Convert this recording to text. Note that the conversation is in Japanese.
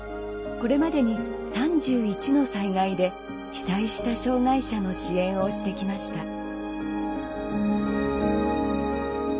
これまでに３１の災害で被災した障害者の支援をしてきました。